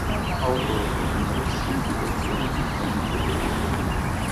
Autore di numerose pubblicazioni su temi culinari.